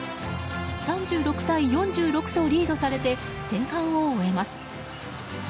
３６対４６とリードされて前半を終えます。